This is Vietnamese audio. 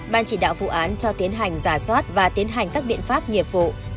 ban chỉ đạo vụ án cho tiến hành giả soát và tiến hành các biện pháp nghiệp vụ